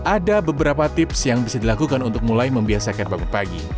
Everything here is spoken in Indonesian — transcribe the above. ada beberapa tips yang bisa dilakukan untuk mulai membiasakan bangun pagi